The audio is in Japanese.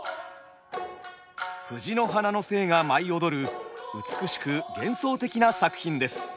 藤の花の精が舞い踊る美しく幻想的な作品です。